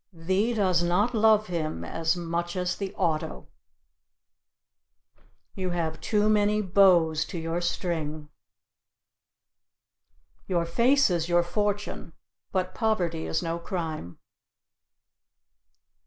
Thee does not love him as much the(e)auto. You have too many beaux to your string. Your face is your fortune, but poverty is no crime.